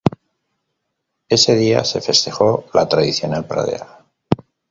Ese día se festejó la tradicional pradera.